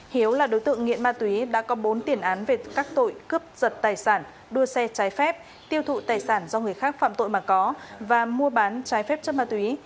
hiếu là đối tượng nghiện ma túy đã có bốn tiền án về các tội cướp giật tài sản đua xe trái phép tiêu thụ tài sản do người khác phạm tội mà có và mua bán trái phép chất ma túy